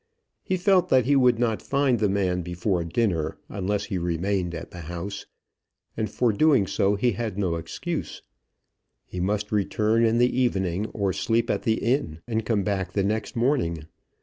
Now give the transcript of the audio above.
He felt that he would not find the man before dinner unless he remained at the house, and for doing so he had no excuse. He must return in the evening, or sleep at the inn and come back the next morning.